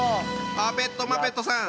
パペットマペットさん